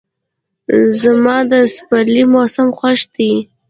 زما د سپرلي موسم خوښ دی.